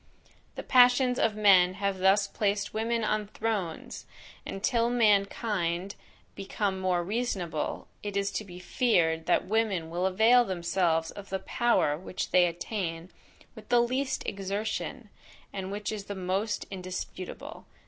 The passions of men have thus placed women on thrones; and, till mankind become more reasonable, it is to be feared that women will avail themselves of the power which they attain with the least exertion, and which is the most indisputable.